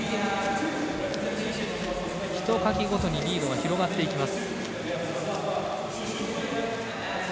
ひとかきごとにリードが広がっていきます。